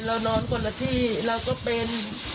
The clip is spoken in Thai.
เรานอนคนละที่เราก็เป็น